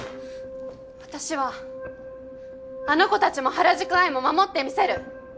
私はあの子たちも『原宿アイ』も守ってみせる！